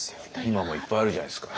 今もいっぱいあるじゃないですか。